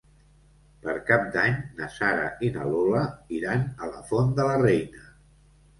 Per Cap d'Any na Sara i na Lola iran a la Font de la Reina.